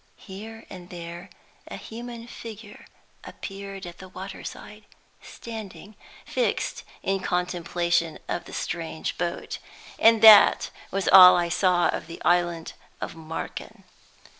Here and there, a human figure appeared at the waterside, standing, fixed in contemplation of the strange boat. And that was all I saw of the island of Marken.